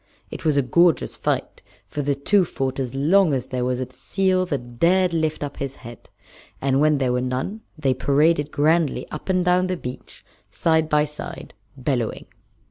It was a gorgeous fight, for the two fought as long as there was a seal that dared lift up his head, and when there were none they paraded grandly up and down the beach side by side, bellowing.